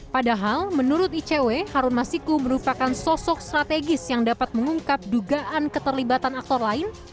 padahal menurut icw harun masiku merupakan sosok strategis yang dapat mengungkap dugaan keterlibatan aktor lain